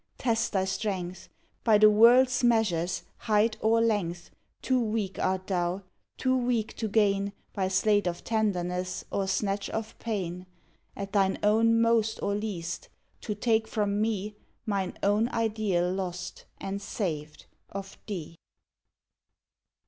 Test thy strength! By the world's measures, height or length Too weak art thou, too weak to gain, By sleight of tenderness or snatch of pain At thine own most or least to take from me Mine own ideal lost and saved of thee.